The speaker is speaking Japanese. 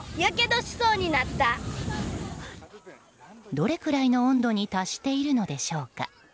どれくらいの温度に達しているのでしょうか。